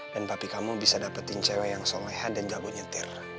dan papi kamu bisa dapetin cewek yang solehat dan jago nyetir